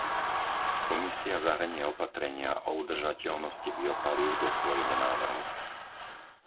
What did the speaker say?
Komisia zahrnie opatrenia o udržateľnosti biopalív do svojho návrhu.